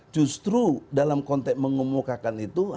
justru dalam konteks mengumumkakan itu